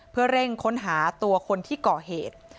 เพื่อเร่งค้นหาตัวคนที่ก่อเหตุ